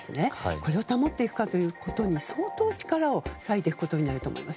これを保っていくかということに相当力を割いていくことになります。